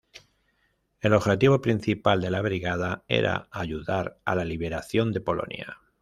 El objetivo principal de la brigada, era ayudar a la liberación de Polonia.